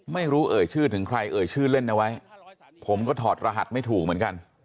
เอ่ยชื่อถึงใครเอ่ยชื่อเล่นเอาไว้ผมก็ถอดรหัสไม่ถูกเหมือนกัน